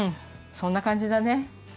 そんなかんじだね。